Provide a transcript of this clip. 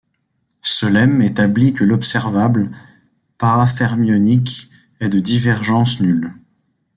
Ce lemme établit que l'observable parafermionique est de divergence nulle.